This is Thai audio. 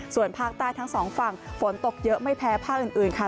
ส่วนภาคใต้ทั้งสองฝั่งฝนตกเยอะไม่แพ้ภาคอื่นค่ะ